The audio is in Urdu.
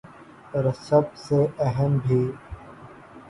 اور سب سے اہم بھی ۔